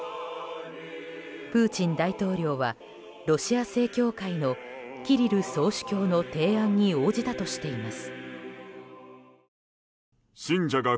プーチン大統領はロシア正教会のキリル総主教の提案に応じたとしています。